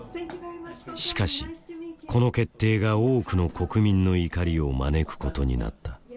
しかしこの決定が多くの国民の怒りを招くことになった。